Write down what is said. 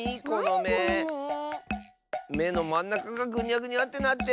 めのまんなかがぐにゃぐにゃってなってる！